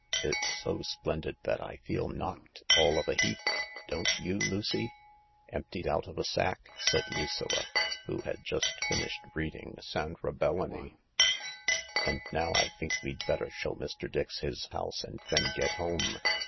" It's so splendid that I feel knocked all of a heap— don't you, Lucy ?" "Emptied out of a sack," said Lucilla, who had just finished reading Sandra Belloni. " And now I think we'd better show Mr. Dix his house and then get home.